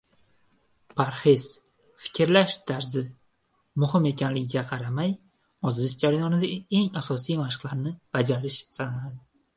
Parhez, fikrlash tarzi muhim ekaniga qaramay, ozish jarayonida eng asosiysi mashqlarni bajarish sanaladi